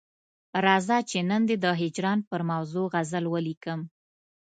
راځه چې نن دي د هجران پر موضوع غزل ولیکم.